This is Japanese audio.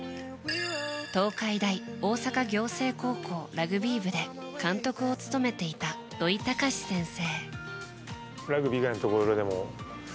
東海大仰星高校でラグビー部の監督を務めていた土井崇司先生。